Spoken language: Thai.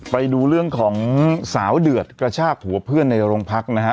ไปดูเรื่องของสาวเดือดกระชากหัวเพื่อนในโรงพักนะฮะ